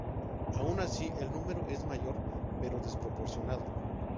Aun así, el número es mayor, pero desproporcionado.